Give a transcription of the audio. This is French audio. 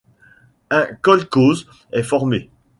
Un kolkhoze est formé.